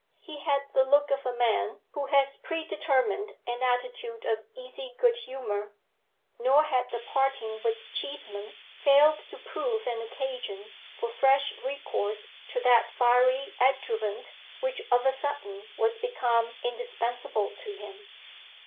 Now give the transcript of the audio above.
He had the look of a man who has predetermined an attitude of easy good humour, nor had the parting with Cheeseman failed to prove an occasion for fresh recourse to that fiery adjuvant which of a sudden was become indispensable to him.